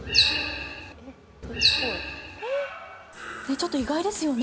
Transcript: ちょっと意外ですよね。